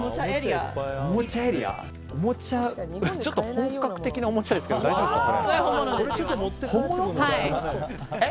本格的なおもちゃですけど大丈夫ですか？